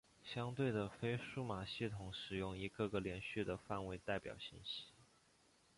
相对的非数码系统使用一个个连续的范围代表信息。